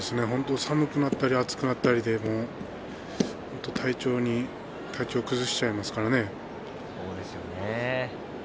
暑くなったり寒くなったりすると体調を崩してしまいますからね。